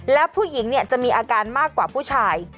แล้วผู้หญิงจะมีอาการมากกว่าผู้ชาย